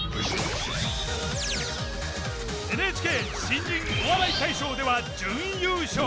ＮＨＫ新人お笑い大賞では準優勝。